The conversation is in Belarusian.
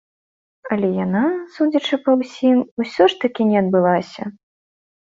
Але яна, судзячы па ўсім, усё ж такі не адбылася.